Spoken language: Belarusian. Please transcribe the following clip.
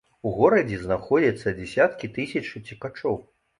У горадзе знаходзяцца дзесяткі тысяч уцекачоў.